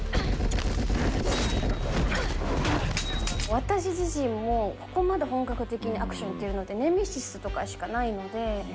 私自身も、ここまで本格的にアクションっていうのって、ネメシスとかしかないので。